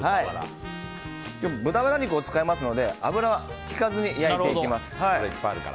今日は豚バラ肉を使いますので油はひかずに焼いていきます。